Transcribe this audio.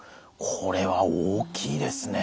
これは大きいですね。